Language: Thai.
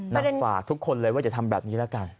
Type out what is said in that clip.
หนักฝากทุกคนเลยว่าจะทำแบบนี้แล้วกัน